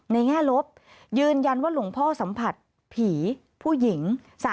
แง่ลบยืนยันว่าหลวงพ่อสัมผัสผีผู้หญิง